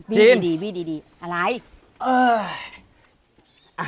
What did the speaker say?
จีนอะไรอื้อ